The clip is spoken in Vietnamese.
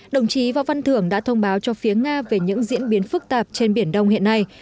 đồng chí võ văn thưởng đã thông báo cho phía nga về những diễn biến phức tạp trên biển đông hiện nay